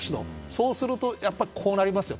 そうすると、やっぱりこうなりますよ。